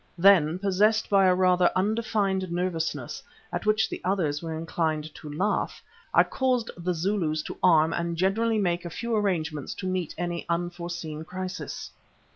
Then, possessed by a rather undefined nervousness, at which the others were inclined to laugh, I caused the Zulus to arm and generally make a few arrangements to meet any unforeseen crisis.